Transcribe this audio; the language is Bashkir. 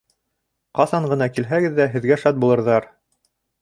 Ҡасан ғына килһәгеҙ ҙә, һеҙгә шат булырҙар